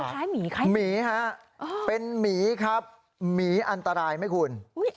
แค่ไหมแค่หมีหะอ่าเป็นวีครับหมีอันตรายไหมคุณอุ๊ยอันตราย